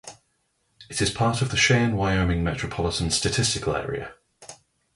It is part of the Cheyenne, Wyoming Metropolitan Statistical Area.